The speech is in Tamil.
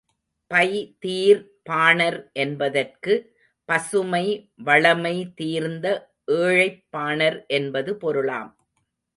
பை தீர் பாணர் என்பதற்கு, பசுமை வளமை தீர்ந்த ஏழைப் பாணர் என்பது பொருளாம்.